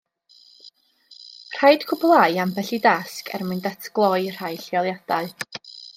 Rhaid cwblhau ambell i dasg er mwyn datgloi rhai lleoliadau.